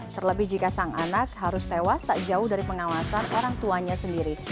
terlebih jika sang anak harus tewas tak jauh dari pengawasan orang tuanya sendiri